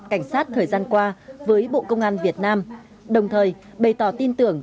cảnh sát thời gian qua với bộ công an việt nam đồng thời bày tỏ tin tưởng